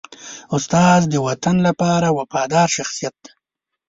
استاد د وطن لپاره وفادار شخصیت دی.